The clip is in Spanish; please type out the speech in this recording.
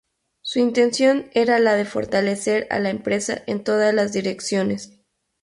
Su intención era la de fortalecer a la empresa en todas las direcciones.